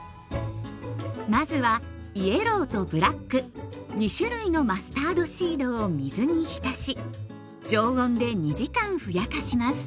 まずはイエローとブラック２種類のマスタードシードを水に浸し常温で２時間ふやかします。